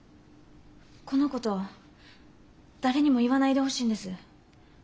このことだれにも言わないでほしいんです。